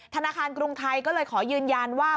ธนาคารกรุงไทยก็เลยขอยืนยันว่า